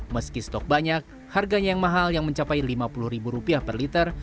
meski stok banyak harganya yang mahal yang mencapai rp lima puluh ribu rupiah per liter